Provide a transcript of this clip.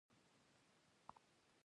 • ونه د خوړو لپاره مهمه ده.